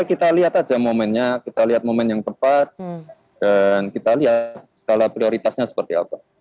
kita lihat aja momennya kita lihat momen yang tepat dan kita lihat skala prioritasnya seperti apa